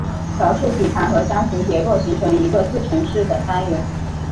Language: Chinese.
桥式底盘和箱形结构形成一个自承式的单元。